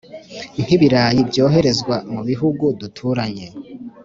nk'ibirayi byoherezwa mu bihugu duturanye,